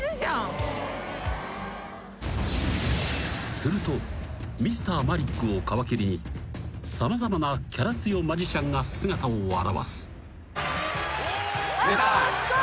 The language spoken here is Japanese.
［するとＭｒ．マリックを皮切りに様々なキャラ強マジシャンが姿を現す］